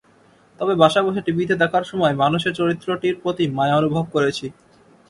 তবে বাসায় বসে টিভিতে দেখার সময় মানসের চরিত্রটির প্রতি মায়া অনুভব করেছি।